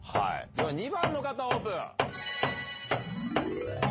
では２番の方オープン！